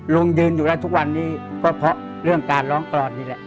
ยืนอยู่แล้วทุกวันนี้ก็เพราะเรื่องการร้องกรอดนี่แหละ